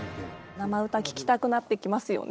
生歌聴きたくなってきますよね。